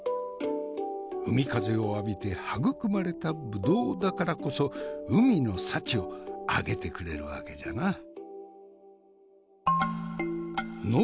海風を浴びて育まれたブドウだからこそ海の幸を上げてくれるわけじゃな。